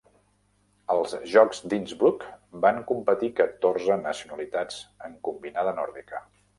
Als Jocs de Innsbruck, van competir catorze nacionalitats en combinada nòrdica.